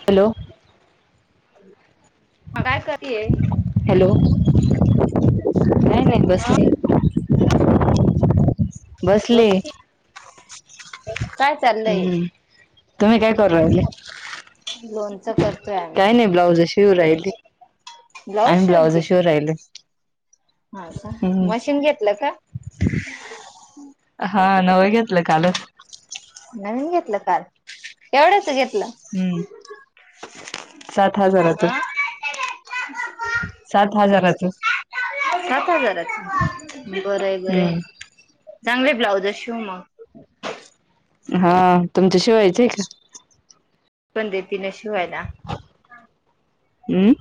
Hello मग काय करते ये हॅलो नाही नाही बसले बसले काय चाललंय हम्म तुम्ही काय कर राहिल लोणचं करतोय आम्ही काही नाही ब्लाउज शिऊ राहिल [inaudible] ब्लाऊज आणिम्ही ब्लाउज शिवते शिवर राहिले हा का हम्म मशीन घेतलं का हा नवं घेतलं काल नवीन घेतलं का एवढंच घेत हम्म सात हजाराचं सात हजाराचं सात हजाराच बरं आहे बरं हम्म चांगले ब्लाउज शूव मग हा तुमच्या शिवायचय का पण दे त न शिवायला हम्म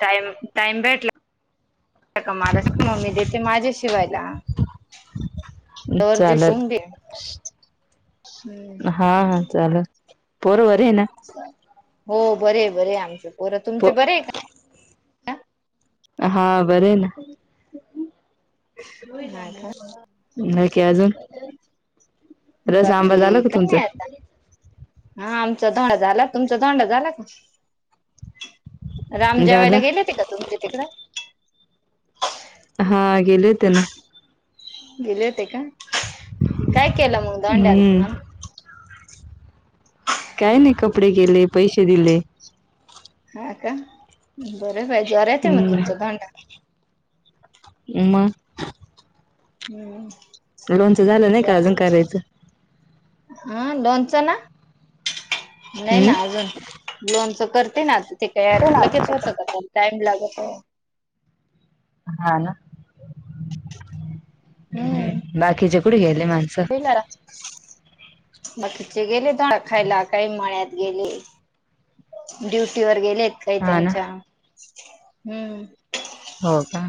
टाम टाईम भेटला मला मी देते माझे ठेवायला तर जे शो चालल घे हा हा चाल पर्व हो बरे बरे आमचे पोर प तुमचे बरे आहे का हा बरे ना हा नक्की अजून रस आंबा बाकी झाला का तुमचा काय आता हा आमचा दोंडा झाला तुमचा दोंडा झाला का राम झाला जेवायला गेले ते का तुमचे तिकडं हा गेले ते ना गेले होते का काय केलं मग दोंड्याला हम्म तुम्हाला काय नाही कपडे केले पैसे दिले हा का बर बाई जोरात येत मग हम्म तुमचा ोंडा मग हम् लोनचं झालं नाही का अजून करायचं हा लोनच ना नाही ना हम्म अजून लोनच करते ना ते का लगेच होतं काला टाइम लागत आहे हा ना हम्म बाकीचे कुठ गेले माणसं होईल आता. बाकीचे गेले द खायला काही मळ्यात गेले ड्युटी वर गेलेत काही हा ना त्यांच्या हम्म हो का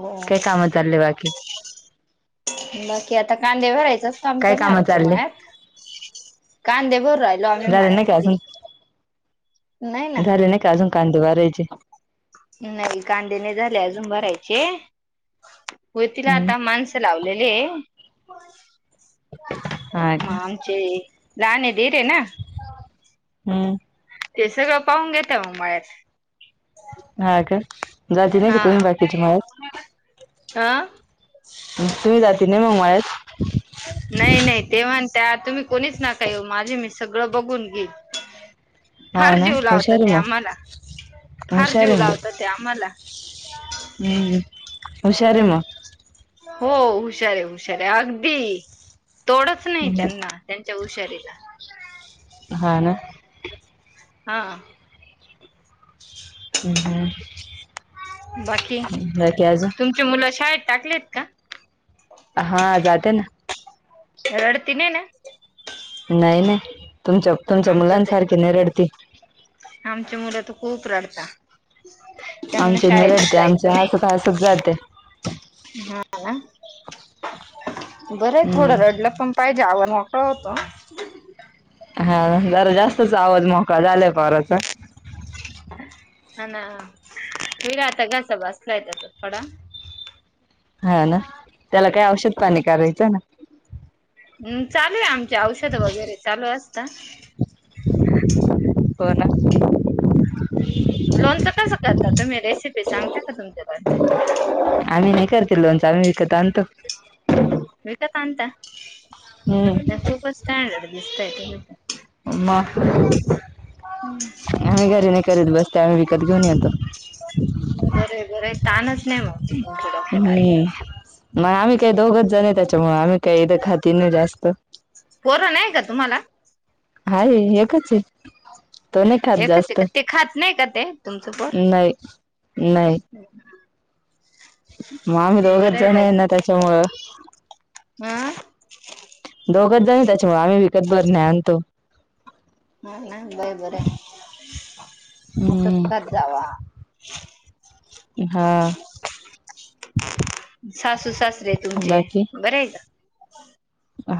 हो काय काम चालले बाकी बाकी आता कांदे भरायचं का काय आमचं नाही काम आमच चालले मायात कांदेभर राहिलो आम्ही झाले नाही का माळ्यामध्ये अजून झाले नाही का अजून कांदे भरायचे नाही कांदे नाही झाले अजून भरायचे [inaudible] होय तिला हम्म आता माणसं लावलेले [inaudible] [inaudible] हा मा का आमचे लहाने दिर हे ना हम्म ते सगळं पाहून घेतय मग मळ्याच.. हा का जाती नाही का तुम्ही बाकीच्या मळ्यात? हा. [inaudible] तुम्ही जातील नाही मळ्यात? [inaudible] नाही -नाही, ते म्हणत्यात, तुम्ही कुणीच नका येऊ माझे मिस् सगळं बघून घीन. [inaudible] हा फार ना जीव लावतं हुशार ते आहे मग आम्हाला, [inaudible] - फार हुशार जीव आहे मग लावतं ते आम्हाला. हम्म, हुशार हे मगं. [inaudible] हो हुशार आहे, हुशार आहे, अगदी तोडंच नाही मग त्यांना. त्यां च्या हुशारीला. [inaudible] हा ना. [inaudible] हा. हम्, हूं. [inaudible] [inaudible] बाकी, तुमची मुलं शाळेत टाकलेत का? हा, जाते ना. रडती नई ना? [inaudible] [inaudible] नाई नाई, तुमच्या प तुमच्या मुलांसारखी नाई रडती. आमचीं मुलं तर खूप रडता. [inaudible] [inaudible] त्यांना आमचे नाही शाळेतच रडते आमचे जायचं नाही, हसत हसत जाते हा ना. बरयं थोडं हम्म रडलं पण पाहिजे आवाज मोठा होतो न. [inaudible] हा जरा जास्तच आवाज मोकळा झालायं पोराचा. [inaudible] ह ना. [unintelligible] येईल, आता घसा बसलाय त्याचा थोडा. [inaudible] हा ना, त्याला काय औषध पाणी करायचं ना. हम् चालू ये आमचे औषध वगैरे चालू असता. [inaudible] हो ना. [inaudible] लोणचं कसं करता तुम्ही? रेसिपी सांगता का तुमच्या लोंणच्याची. [inaudible] आम्ही नाही करती लोणचं, आम्ही विकत आणतो. [inaudible] विकत आणता हम्म [inaudible] खूपच स्टँडर्ड दिस मग [inaudible] आम्ही घरी नाही करत बसते, आम्ही विकत घेऊन येतो. बरे बरे [inaudible] ताणच नाही मग तुमच्या [inaudible] डोक्यात आलेला हम्म.., मग आम्ही काय दोघ त्याच्यामुळे आम्ही काही खात ही नाही जास्त. पोरं नाही का तुम्हाला हाय, एकच हाय. [inaudible] एकच हाय का, ते खात नाही का ते तुमचं पोर? नाही नाही [inaudible] [unintelligible] मग आम्ही दोघचं बरं जण बाई आहे ना, त्याच्यामुळं हा दोघच जणी त्याच्यामुळे आम्ही विकत बरण्या आणतो. हा ना, बई बर हायं, [inaudible] असचं हम्म खात जावा. हा. [inaudible] [inaudible] सासू सासरे तुमचे, बाकी बरे हाय का?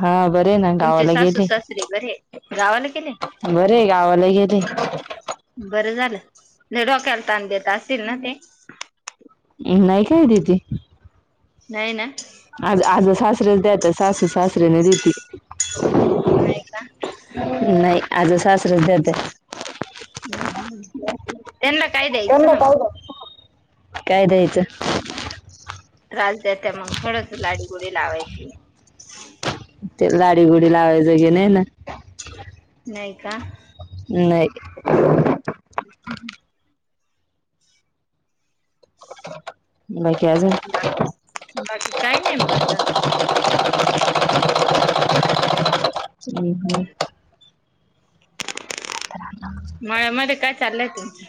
हा बरे आहे ना, तुमचे गावाला सासू गेले, सासरे बरे गावाला गेले [inaudible] बरेयं गावाला गेले. [inaudible] बरं झालं, लई डोक्याला ताण देत असतील ना ते? [inaudible] नाही काय देती. [inaudible] नाही ना? आज -आज सासरेला देती, सासू सासरेला देती. नाही का? नाही, आज सासरच देत्या. ह त्यांना काय द्यायचं ना मग? काय द्याचं? त्रास देत्या मग थोडसं लाडीगुडी लावायची. ते लाडीगुडी लावायं जोगे नाई ना. नाई का? नाई. हु हु ब बाकी काय नाही म आता हम् ह मळ्या मध्ये काय चाललंय तुमचं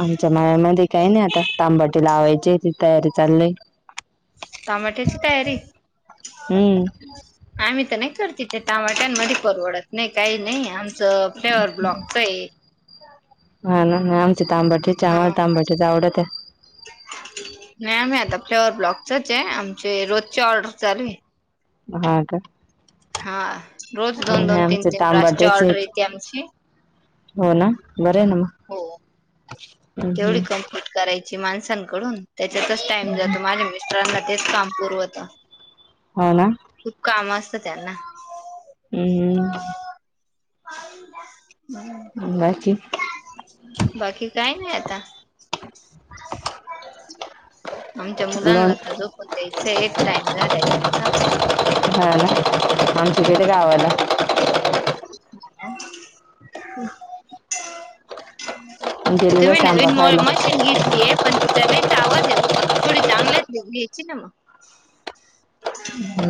आमच्या माळमध्ये काही नाही आता तांबाटी लावायचे ती तयारी चालली टमाट्याची तयारी हम्म आ नाही करत ते टमाट्यांमध्ये परवडत नाही काही नाही आम फ्लेवर ब्लॉकच आहे हा ना तांबाटेचे हा आम्हाला तांबाटेच आवडत आहे नाहीम आता फ्लवरवर ब्लॉक तच आहे आमचे रोजची ऑर्डर चालू आहे ह का हा रोज दोन नाही दोन तीन आमचे तीन रासची तांबाटेच ऑर्डर आहेत येते आमची हो ना बर न म हो. हम् तेवढी हम् कम्प्लीट करायची माणसांकडून त्याच्यातच टाइम जातो माझ्या मिस्टरांना तेच काम पुरवत हो ना खूप काम असतं त्यांना हम्म का बाकी बाकी काय नाही आता आमच्या लोन मुलांना तर झोपण द्यायच एक टाइम झालाय त्यांचा हा ना आमचे गेले गावाला ह हम जा तुम्ही सांबा नवीन खायला मशीन घेतली आहे पण त चलायच आवाज येव थोडी चांगलेच चिनमा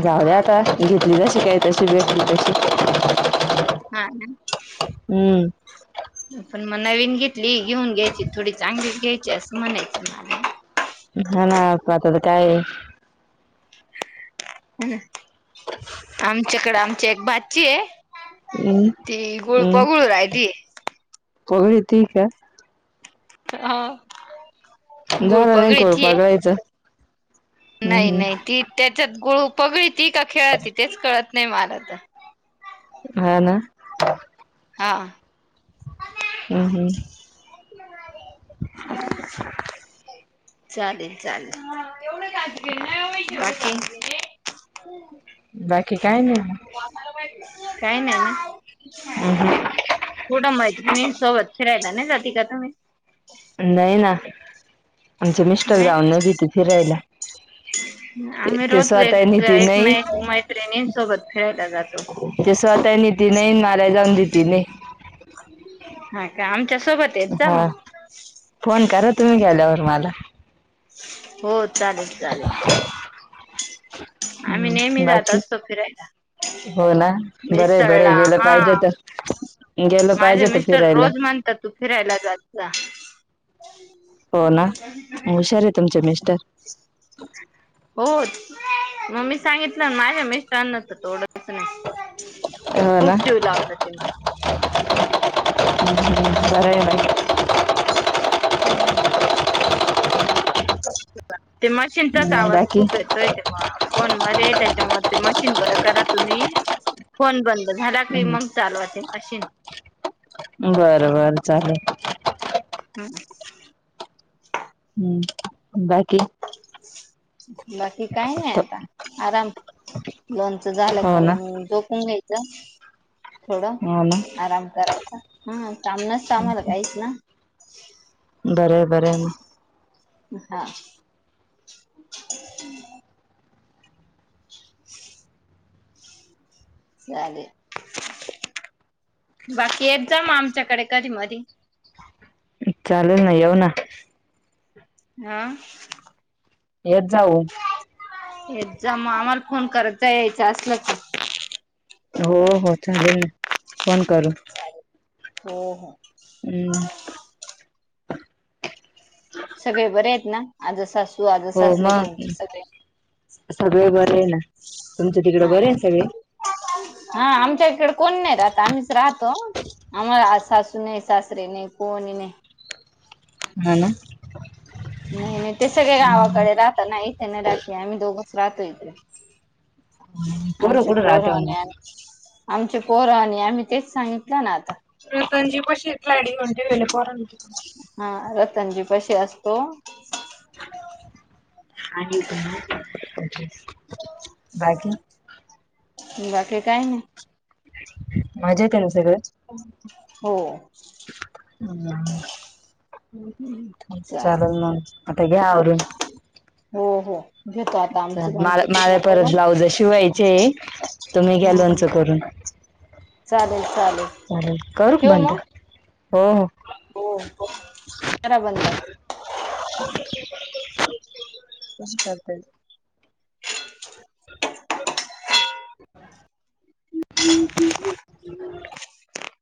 जाऊल्या आता घेतली तशी काय तशी भेटली तशी हा हम्म मग नवीन घेतली घेऊन घ्यायची थोडी चांगलीच घ्यायची असं म्हणायच मला हा ना मग आता काय ह आमच्याकडे आमची एक बाची आहे हम्म ती गुळ हम्म पगळू राय त पगडी ठीक आहे हा गुळ झालं नाही पगडी तय कोळपा गळायचं हम्म नाही हम्म नाही ती त्याच्यात गुळू पगळी ती का खेळ त तेच कळत नाही मला तर हा ना हा हम्म हम्म ् चालेल चालेल एवढं काज नाही एव बाकी काय नाही काही नाही अहं ना मैत्रिणी सोबत फिरायला नाही जात का तुम्ही नाही ना आमचे मिस्टर नाही जाऊन न ते फिरायला ते आम्ही ते रोज एक स्वतः नेती एक नाही ना एक मैत्रिणीं सोबत फिरायला जातो ते स्वतः नेती नाही मला जाऊन देत नाही ह काम त्याच्या सोबत आहेत जा म हा फोन करा तुम्ही गेल्यावर मला. हो चालेल चालेल आम्ही नेहमी हम्म जात बाकी असतो फिरायला हो ना बरे बरे मिसळला गेलं पाहिजे हा तर गेलं माझे पाहिजे तर मिस्टर फिरायला. रोज म्हणतात तू फिरायला जायचा हो ना हुशार आहे तुमचे मिस्टर हो मग मी सांगितलं माझ्या मिस्टरना तर थोडं नाही हो खूप ना जेव लावत तेव्हा हम् जारहि आहे हम् ते मशीनचाच हम्म आवाज बाकी खूप येतोय ते फोन मध्ये त्याच्यामध्ये ते मशीन बर करा तुम्ही फोन बंद झाला की हम्म मग चालवचे अश बर बर चालेूल हम् हम्म बाकी बाकी काही नाही आता आराम लोनच झालं हो का ना मग जोकून घ्यायच थोडं हो ना आराम करायचा हा मनाच मला काहीच ना बर बर हा ते अले बाकी एक जाामा आमच्याकडे कधी मधी चालेल ना येऊ ना हा येत जाऊ हे जा आम्हाला फोन कर यायच असल तर हो हो चालेल ना फोन करू हो हो हम् सगळे बरे आहेत ना आज सासू आज हो सास र तचे मग सगळे तुमचं तिकडं हा बरे आहे ना सगळे हा आमच्या इकडे कोण नाही राहता आम्हीच राहतो आमार शाशू नाहीय शश्र नाही कोवण नाही हा ना नाही नाही ते सगळे हम्म. गावाकडे राहत ना इथे नाही राह आम्ही दोघं रात य तेे पोरं आमचे कुठं पोर राहते हो मग आमचे पोर आणि आम्ही तेच सांगितलं ना आता संजी पेला अडी होंे वेलर हा रतनजी कशी असतो आणि बाकी बाकीे काय नाही माझ्या त्यां सगळं हो. हम्म चालेल म आता घ्या आवरून. हो हो. घेतो आता ल आमचं मला लोणचं मला पूर्ण परत करून ब्लाउज शिवायचे आहे तुम्ही घ्या ह ह. लोंच करून चालेल चालेल चाले करू ठेवू बंद. मग हो हो. हो करा बंद. करतेच. [unintelligible] [unintelligible]